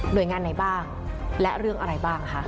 โดยงานไหนบ้างและเรื่องอะไรบ้างคะ